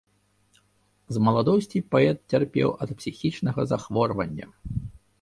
З маладосці паэт цярпеў ад псіхічнага захворвання.